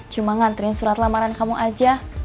cuma nganterin surat lamaran kamu aja